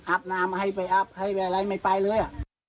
อาบน้ำให้ไปอับให้ไปอะไรไม่ไปเลย